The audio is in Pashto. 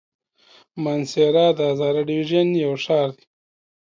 مانسهره د هزاره ډويژن يو ښار دی.